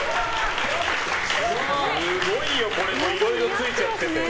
すごいよ、これもいろいろついちゃってて。